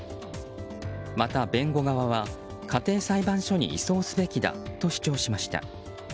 また、弁護側は家庭裁判所に移送すべきだと主張しました。